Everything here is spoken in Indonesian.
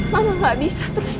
mama gak akan ikut campur lagi